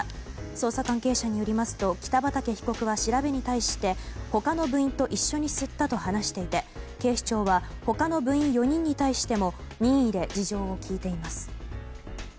捜査関係者によりますと北畠被告は調べに対して他の部員と一緒に吸ったと話していて警視庁は他の部員４人に対しても任意で事情を聴いています。